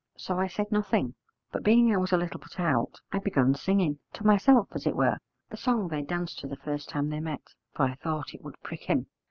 So I said nothing, but being I was a little put out, I begun singing, to myself as it were, the song they danced to the first time they met, for I thought it would prick him.